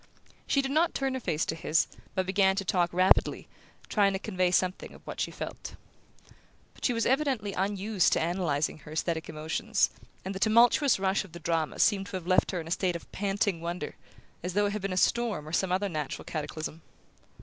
She did not turn her face to his, but began to talk rapidly, trying to convey something of what she felt. But she was evidently unused to analyzing her aesthetic emotions, and the tumultuous rush of the drama seemed to have left her in a state of panting wonder, as though it had been a storm or some other natural cataclysm.